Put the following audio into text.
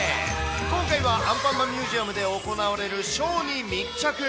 今回は、アンパンマンミュージアムで行われるショーに密着。